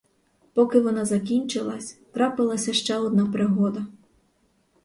Поки вона закінчилась, трапилася ще одна пригода.